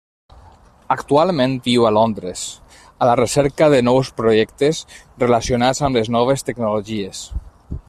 Actualment viu a Londres, a la recerca de nous projectes relacionats amb les noves tecnologies.